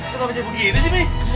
kenapa nyabuk gini sih umi